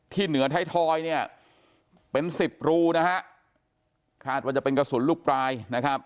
เหนือไทยทอยเนี่ยเป็นสิบรูนะฮะคาดว่าจะเป็นกระสุนลูกปลายนะครับ